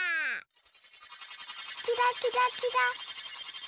キラキラキラ。